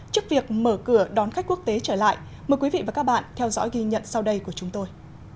trước việc mở cửa đón khách quốc tế trở lại mời quý vị và các bạn theo dõi ghi nhận sau đây của chúng tôi